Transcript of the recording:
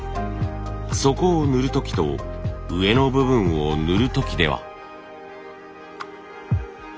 底を塗る時と上の部分を塗る時では。